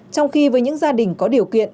trong khi với những gia đình có điều kiện